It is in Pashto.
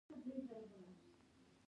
اخر موټروان څنگ ته کړم.